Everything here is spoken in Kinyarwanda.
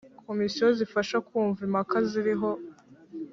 komisiyo zifasha kumva impaka ziriho